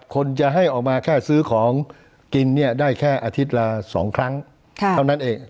คนจะให้ออกมาแค่ซื้อของกินเนี่ยได้แค่อาทิตย์ละ๒ครั้งเท่านั้นเอง